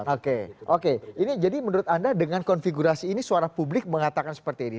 oke oke ini jadi menurut anda dengan konfigurasi ini suara publik mengatakan seperti ini